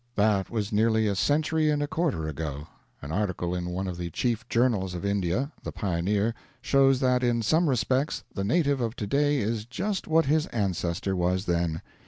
That was nearly a century and a quarter ago. An article in one of the chief journals of India (the Pioneer) shows that in some respects the native of to day is just what his ancestor was then.